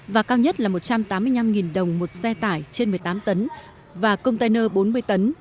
và cao nhất là một trăm tám mươi năm đồng một xe tải trên một mươi tám tấn và container bốn mươi tấn